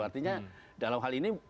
artinya dalam hal ini